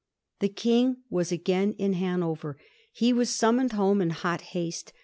The King was again in Hanover. He was summoned home in hot haste.